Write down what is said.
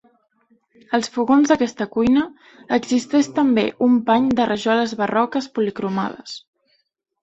Als fogons d'aquesta cuina, existeix també un pany de rajoles barroques policromades.